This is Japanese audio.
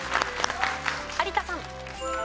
有田さん。